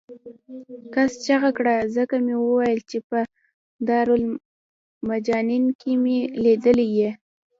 کس چغه کړه ځکه مې وویل چې په دارالمجانین کې مې لیدلی یې.